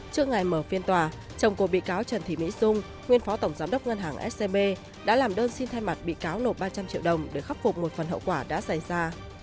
trước ngày mở phiên tòa chồng của bị cáo trần thị mỹ dung nguyên phó tổng giám đốc ngân hàng scb đã làm đơn xin thay mặt bị cáo nộp ba trăm linh triệu đồng để khắc phục một phần hậu quả đã xảy ra